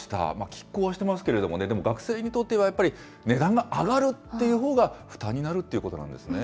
きっ抗はしてますけれどもね、でも、学生にとってはやっぱり、値段が上がるっていうほうが負担になるということなんですね。